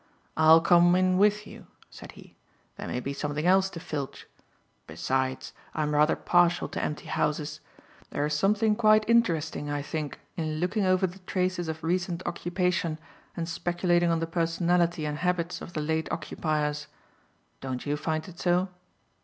"I'll come in with you," said he. "There may be something else to filch. Besides, I am rather partial to empty houses. There is something quite interesting, I think, in looking over the traces of recent occupation, and speculating on the personality and habits of the late occupiers. Don't you find it so?"